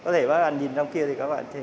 giữ gìn sức khỏe